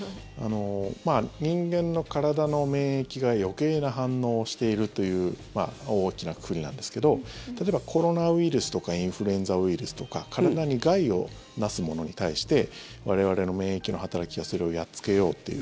人間の体の免疫が余計な反応をしているという大きなくくりなんですけど例えば、コロナウイルスとかインフルエンザウイルスとか体に害をなすものに対して我々の免疫の働きがそれをやっつけようという。